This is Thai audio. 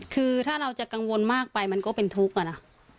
คือถ้าเราจะกังวลมากไปมันก็เป็นทุกข์อะนะ